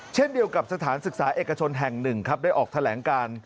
เช่นเดียวกับสถานศึกษาเอกชนแห่งหนึ่งครับได้ออกแถลงการ